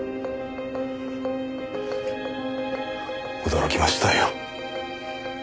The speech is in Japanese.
驚きましたよ。